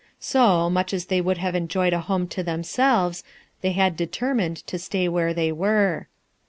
So, much as they would have enjoyed a home to themselves, they had determined to stay where they were.